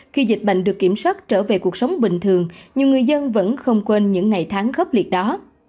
khi dịch bệnh được kiểm soát trở về cuộc sống bình thường nhiều người dân vẫn không quên những ngày tháng khốc liệt đó